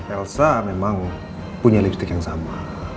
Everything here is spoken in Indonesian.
elsa memang punya lipstick yang sama